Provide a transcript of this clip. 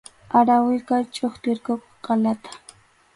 Arariwa chʼustirqukuq qʼalata.